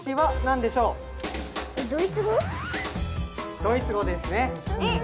ドイツ語ですね。